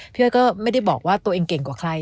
อ้อยก็ไม่ได้บอกว่าตัวเองเก่งกว่าใคร